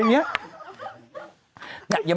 แมวทำเสร็จยังไง